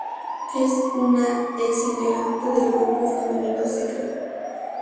Es una ex integrante del grupo femenino Secret.